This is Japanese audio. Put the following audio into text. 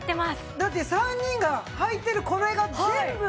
だって３人がはいてるこれが全部！